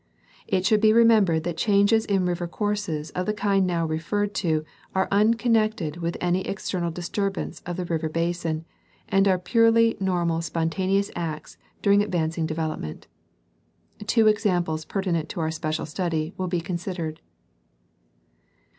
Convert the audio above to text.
It should be remembered that changes in river courses of the kind now re ferred to are unconnected with any external disturbance of the river basin, and are purely normal spontaneous acts during ad vancing development. Two examples, pertinent to our special study, will be considered.